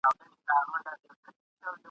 تر څنګ د زورورو زړه ور مه کښېنه متل دی..